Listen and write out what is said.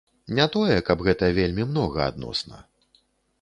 Не тое, каб гэта вельмі многа, адносна.